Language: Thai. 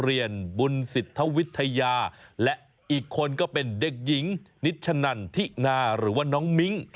อีกคนก็เป็นเด็กหญิงนิดฉะนั่นที่นาหรือว่าน้องมิ้ง